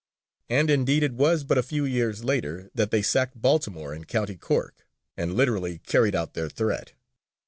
And indeed it was but a few years later that they sacked Baltimore in County Cork, and literally carried out their threat.